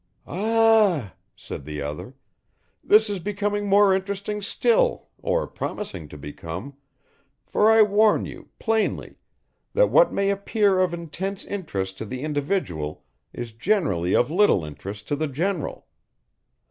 "Ah," said the other, "this is becoming more interesting still or promising to become, for I warn you, plainly, that what may appear of intense interest to the individual is generally of little interest to the general.